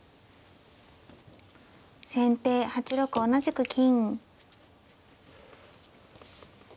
先手８六同じく金。